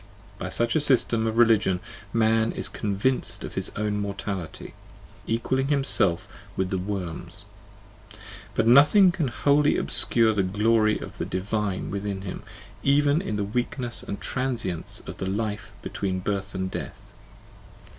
By such a system of religion man is convinced of his own mortality, equalling himself with the worms: but nothing can wholly obscure the glory of the divine within him, even in the weakness and transience of the life between birth and death.